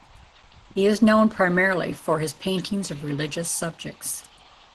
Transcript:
He is known primarily for his paintings of religious subjects.